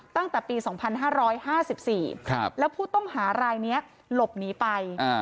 ตั้งแต่ปี๒๕๕๔แล้วผู้ต้องหารายนี้หลบหนีไป